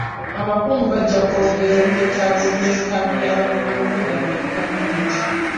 Abakungu bajja kwogera eby'etaago by'enkambi y'abanoonyiboobubudamu eri gavumenti.